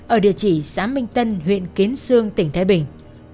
ở địa chỉ xã minh tân huyện kiến sương tỉnh thái bình